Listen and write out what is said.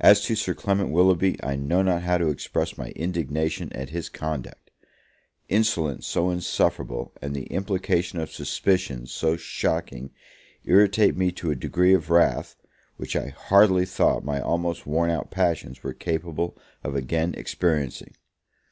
As to Sir Clement Willoughby, I know not how to express my indignation at his conduct. Insolence so insufferable, and the implication of suspicions so shocking, irritate me to a degree of wrath, which I hardly thought my almost worn out passions were capable of again experiencing.